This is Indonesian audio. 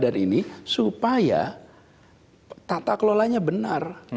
dan ini supaya tata kelolanya benar